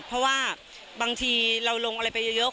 เพราะว่าบางทีเราลงอะไรไปเยอะ